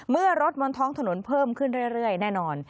เมื่อรถบนท้องถนนเพิ่มขึ้นเรื่อยแน่นอน